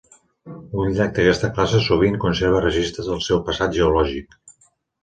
Un llac d'aquesta classe sovint conserva registres del seu passat geològic.